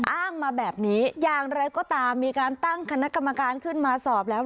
อ้างมาแบบนี้อย่างไรก็ตามมีการตั้งคณะกรรมการขึ้นมาสอบแล้ว